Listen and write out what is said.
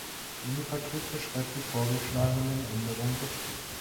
Minipaket beschreibt die vorgeschlagenen Änderungen recht gut.